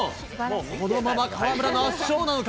このまま河村の圧勝なのか。